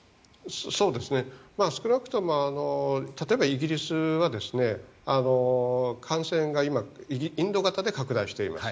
少なくとも例えば、イギリスは感染が今、インド型で拡大しています。